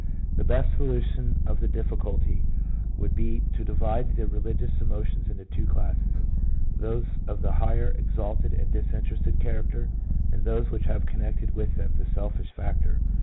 The best solution of the difficulty would be to divide the religious emotions into two classes, those of the higher, exalted, and disinterested character, and those which have connected with them the selfish factor.